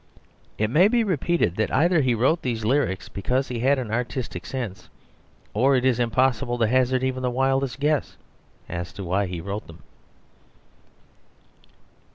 It may be repeated that either he wrote these lyrics because he had an artistic sense, or it is impossible to hazard even the wildest guess as to why he wrote them.